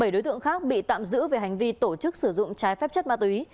bảy đối tượng khác bị tạm giữ về hành vi tổ chức sử dụng trái phép chất ma túy